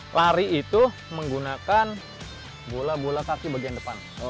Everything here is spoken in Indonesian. lari itu menggunakan bola bola kaki bagian depan